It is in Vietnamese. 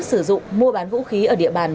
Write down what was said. sử dụng mua bán vũ khí ở địa bàn